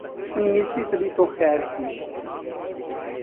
انیسویں صدی تو خیر تھی۔